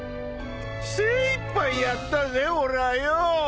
精いっぱいやったぜ俺ぁよぉ。